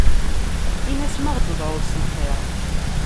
Ini-as ma aɣ-d-tedɛuḍ s lxir?